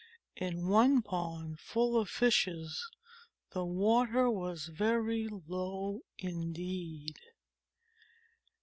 In one pond full of Fishes, the water was very low indeed.